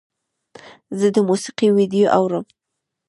زه د موسیقۍ ویډیو اورم.